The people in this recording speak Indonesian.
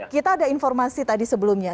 kita ada informasi tadi sebelumnya